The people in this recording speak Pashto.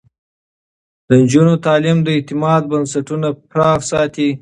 د نجونو تعليم د اعتماد بنسټونه پراخ ساتي.